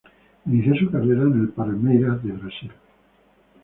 Inició su carrera en el Palmeiras en Brasil.